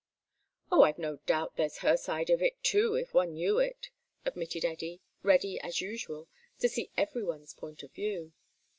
"Oh, I've no doubt there's her side of it, too, if one knew it," admitted Eddy, ready, as usual, to see everyone's point of view.